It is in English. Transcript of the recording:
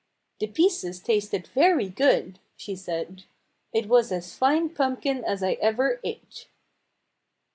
"The pieces tasted very good," she said. "It was as fine pumpkin as I ever ate."